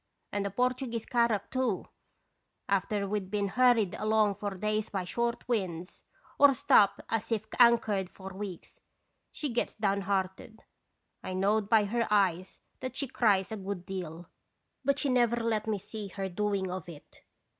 And the Portuguese carrack, too ! After we 'd been hurried along for days by short winds, or stopped as if anchored for weeks, she gets downhearted. I knowed by her eyes that she cries a good deal, but she never let me see her doing of it.